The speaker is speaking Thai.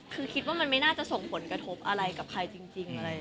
คือคิดว่ามันไม่น่าจะส่งผลกระทบอะไรกับใครจริงอะไร